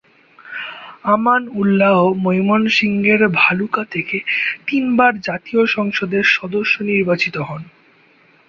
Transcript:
আমান উল্লাহ ময়মনসিংহের ভালুকা থেকে তিন বার জাতীয় সংসদের সদস্য নির্বাচিত হন।